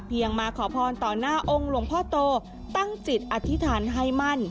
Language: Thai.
มาขอพรต่อหน้าองค์หลวงพ่อโตตั้งจิตอธิษฐานให้มั่น